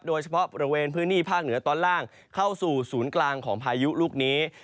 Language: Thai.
โดยเฉพาะบริเวณพื้นที่ภาคเหนือตอนล่างเข้าสู่ศูนย์กลางของพายุลูกนี้